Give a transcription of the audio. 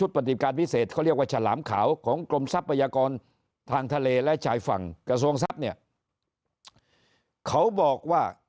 ปฏิการพิเศษเขาเรียกว่าฉลามขาวของกรมทรัพยากรทางทะเลและชายฝั่งกระทรวงทรัพย์เนี่ยเขาบอกว่า